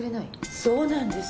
そうなんです。